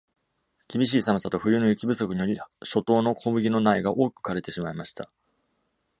厳しい寒さと冬の雪不足により、初冬の小麦の苗が多く枯れてしまいました。